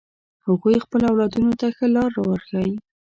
هغوی خپل اولادونو ته ښه لار ورښایی